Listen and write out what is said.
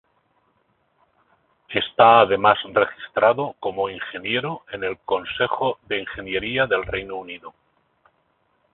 Está además registrado como ingeniero en el Consejo de Ingeniería del Reino Unido.